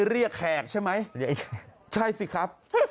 เรียกแค่ใช่ไหมใช่สิครับ